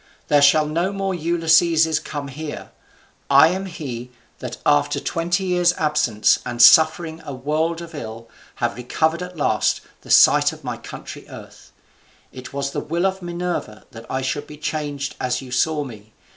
There shall no more Ulysseses come here. I am he that after twenty years' absence, and suffering a world of ill, have recovered at last the sight of my country earth. It was the will of Minerva that I should be changed as you saw me.